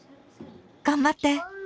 頑張って！